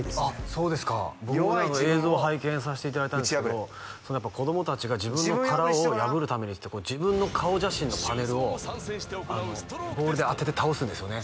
そうですか僕も映像を拝見させていただいたんですけどやっぱ子供達が自分の殻を破るためにって自分の顔写真のパネルをボールで当てて倒すんですよね